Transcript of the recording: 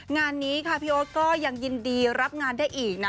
งานนี้ค่ะพี่โอ๊ตก็ยังยินดีรับงานได้อีกนะ